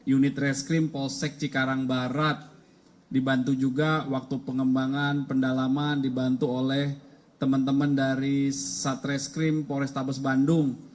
unit reskrim polsek cikarang barat dibantu juga waktu pengembangan pendalaman dibantu oleh teman teman dari satreskrim polrestabes bandung